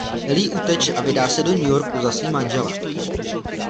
Ellie uteče a vydá se do New Yorku za svým manželem.